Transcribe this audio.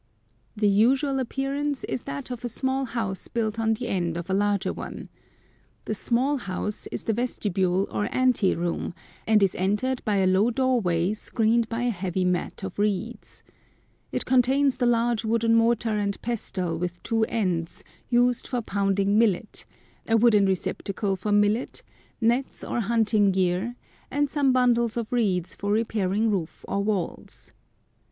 The usual appearance is that of a small house built on at the end of a larger one. The small house is the vestibule or ante room, and is entered by a low doorway screened by a heavy mat of reeds. It contains the large wooden mortar and pestle with two ends, used for pounding millet, a wooden receptacle for millet, nets or hunting gear, and some bundles of reeds for repairing roof or walls.